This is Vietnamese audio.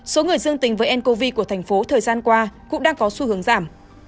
số người dương tính với ncov của thành phố thời gian qua cũng đang có xu hướng giảm